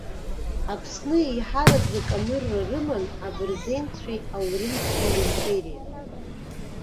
Аԥсны еиҳараӡак анырра рыман абырзенцәеи аурымцәеи римпериа.